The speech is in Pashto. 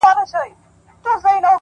o چي تابه وكړې راته ښې خبري،